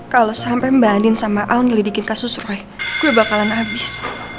kalau sampai mbah andin sama aun ngelidikin kasus roy gue bakalan abis